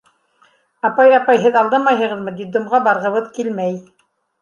— Апай, апай, һеҙ алдамайһығыҙмы? Детдомға барғыбыҙ килмәй.